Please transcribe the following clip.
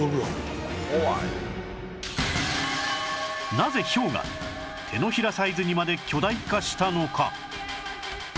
なぜひょうが手のひらサイズにまで巨大化したのか？